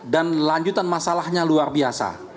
dan lanjutan masalahnya luar biasa